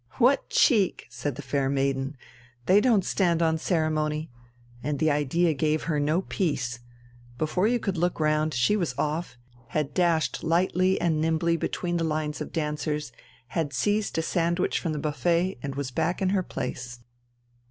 "What cheek!" said the fair maiden. "They don't stand on ceremony!" and the idea gave her no peace. Before you could look round, she was off, had dashed lightly and nimbly between the lines of dancers, had seized a sandwich from the buffet and was back in her place.